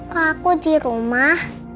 kau aku di rumah